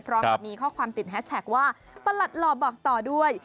พร้อมกับมีข้อความติดแฮชแท็กว่าประหลัดหล่อบอกต่อด้วย